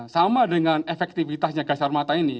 sama dengan efektivitasnya gas air mata ini